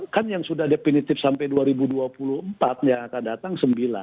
kan yang sudah definitif sampai dua ribu dua puluh empat yang akan datang sembilan